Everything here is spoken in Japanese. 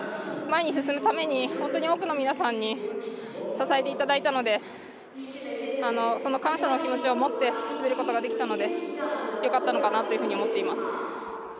前に進むために本当に多くの皆さんに支えていただいたのでその感謝の気持ちを持って滑ることができたのでよかったのかなというふうに思っています。